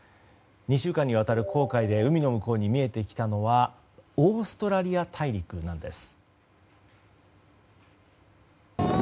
２週間にわたる航海で海の向こうに見えてきたのはオーストラリア大陸なんです。